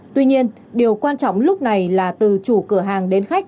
tuy nhiên điều quan trọng lúc này là từ chủ cửa hàng đến khách